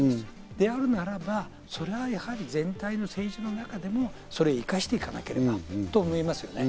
であるならばそれはやはり、全体の政治の中でもそれを生かしていかなければと思いますね。